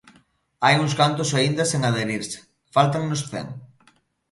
Hai un cantos aínda sen adherirse, fáltannos cen.